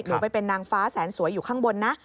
หรือไปเป็นนางฟ้าแสนสวยอยู่ข้างบนนะ